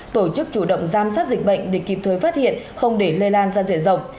tổ chức chủ động giám sát dịch bệnh để kịp thời phát hiện không để lây lan ra diện rộng